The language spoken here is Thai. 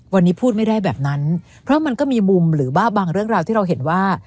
วันนี้พูดไม่ได้แบบนั้นเพราะมันก็มีมุมหรือว่าบางเรื่องราวที่เราเห็นว่า